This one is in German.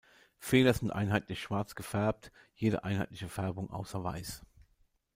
Fehler sind einheitlich schwarz gefärbt, jede einheitliche Färbung außer weiß.